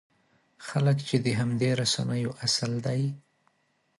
خلک چې د همدې رسنیو اصل دی.